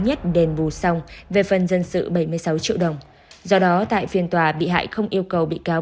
nhất đền bù xong về phần dân sự bảy mươi sáu triệu đồng do đó tại phiên tòa bị hại không yêu cầu bị cáo